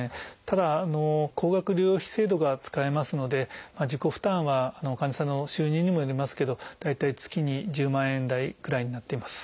ただ高額療養費制度が使えますので自己負担は患者さんの収入にもよりますけど大体月に１０万円台くらいになっています。